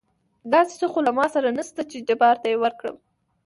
داسې څه خو له ما سره نشته چې جبار ته يې ورکړم.